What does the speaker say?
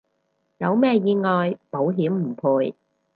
有咩意外保險唔賠